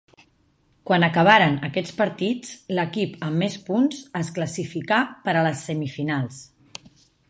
Quan acabaren aquests partits, l'equip amb més punts es classificà per a les semifinals.